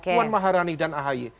puan maharani dan ahy